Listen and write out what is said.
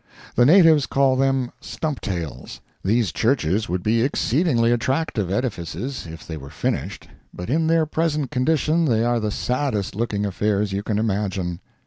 The natives call them "stump tails." These churches would be exceedingly attractive edificies if they were finished, but in their present condition they are the saddest looking affairs you can imagine.